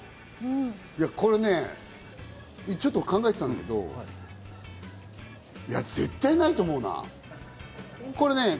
これね、ちょっと考えていたんだけど、絶対無いと思うな。